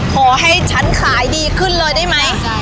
ขอให้ฉันขายดีขึ้นเลยได้ไหม